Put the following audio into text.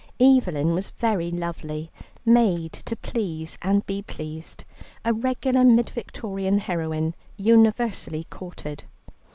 Evelyn was very lovely, made to please and be pleased, a regular mid Victorian heroine, universally courted.